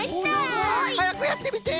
はやくやってみて！